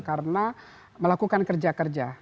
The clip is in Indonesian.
karena melakukan kerja kerja